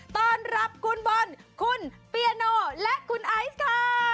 ต้อนรับคุณบอลคุณเปียโนและคุณไอซ์ค่ะ